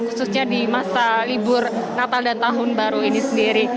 khususnya di masa libur natal dan tahun baru ini sendiri